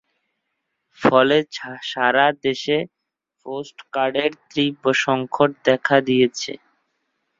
ফলে সারা দেশে পোস্টকার্ডের তীব্র সংকট দেখা দিয়েছে।